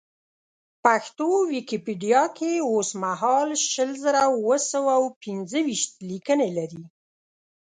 پښتو ویکیپېډیا کې اوسمهال شل زره اوه سوه او پېنځه ویشت لیکنې لري.